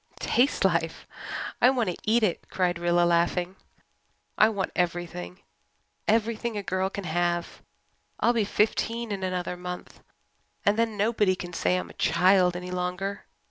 "Taste life! I want to eat it," cried Rilla, laughing. "I want everything everything a girl can have. I'll be fifteen in another month, and then nobody can say I'm a child any longer.